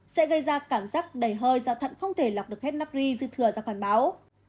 sẽ gây ra cảm giác đầy hơi do thận không thể lọc được hết nacri dư thừa ra khoản báo